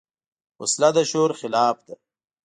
وسله د شعور خلاف ده